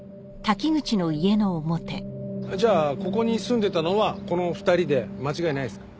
じゃあここに住んでたのはこの２人で間違いないですか？